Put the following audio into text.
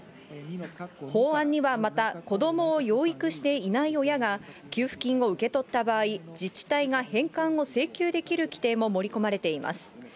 法案にはまた、子どもを養育していない親が、給付金を受け取った場合、自治体が返還を請求できる規定も盛り込まれています。